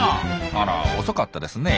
あら遅かったですね